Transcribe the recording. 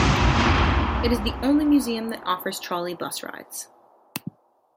It is the only museum that offers trolley bus rides.